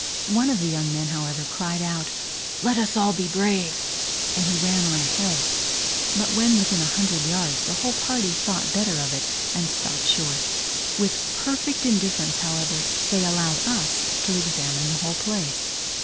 One of the young men, however, cried out, "Let us all be brave," and ran on ahead; but when within a hundred yards, the whole party thought better of it, and stopped short. With perfect indifference, however, they allowed us to examine the whole place.